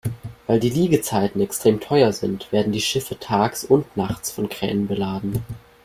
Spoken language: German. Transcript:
Weil die Liegezeiten extrem teuer sind, werden die Schiffe tags und nachts von Kränen beladen.